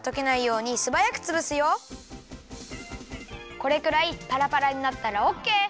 これくらいパラパラになったらオッケー！